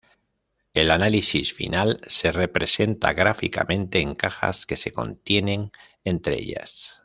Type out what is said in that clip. El análisis final se representa gráficamente en cajas que se contienen entre ellas.